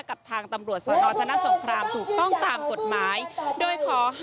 กับทางตำรวจสวนรชนสงครามถูกต้องตามกฎหมาย